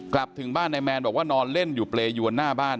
ถึงบ้านนายแมนบอกว่านอนเล่นอยู่เปรยวนหน้าบ้าน